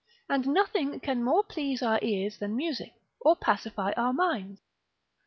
And nothing can more please our ears than music, or pacify our minds.